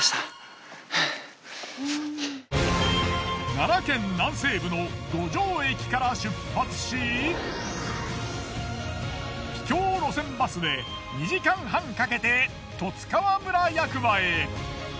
奈良県南西部の五条駅から出発し秘境路線バスで２時間半かけて十津川村役場へ。